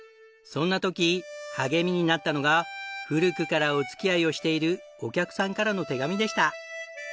そんな時励みになったのが古くからお付き合いをしているお客さんからの手紙でした。